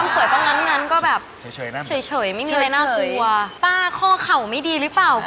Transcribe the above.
สิก็ดูแบบ